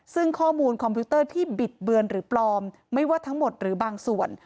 ซึ่งข้อมูลคอมพิวเตอร์ที่บิดเบือนหรือปลอมไม่ว่าทั้งหมดหรือบางส่วน